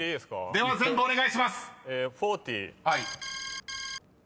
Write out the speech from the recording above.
［では全部お願いします］